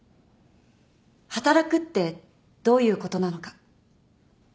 働くってどういうことなのか。